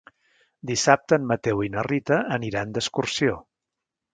Dissabte en Mateu i na Rita aniran d'excursió.